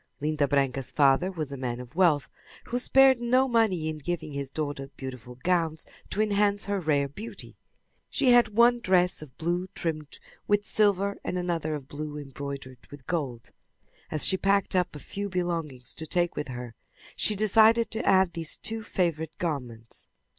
Linda Branca's father was a man of wealth who spared no money in giving his daughter beautiful gowns to enhance her rare beauty. She had one dress of blue trimmed with silver and another of blue embroidered in gold. As she packed up a few belongings to take with her, she decided to add these two favorite garments.